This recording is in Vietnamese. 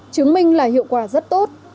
chứng minh là hiệu quả rất tốt